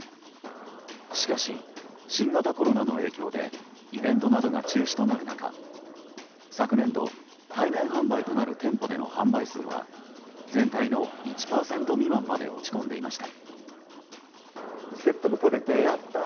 しかし、新型コロナの影響でイベントなどが中止となる中昨年度、対面販売となる店舗での販売数は全体の１％未満まで落ち込んでいました。